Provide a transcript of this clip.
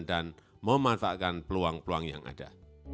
dan memanfaatkan peluang peluang yang ada